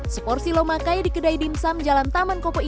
seporsi lomakai di kedai dimsam jalan taman koko indonesia